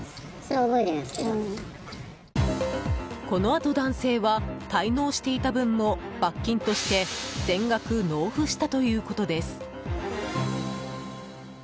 このあと男性は滞納していた分も罰金として全額納付したということです。